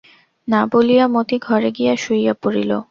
না, বলিয়া মতি ঘরে গিয়া শুইয়া পড়িল।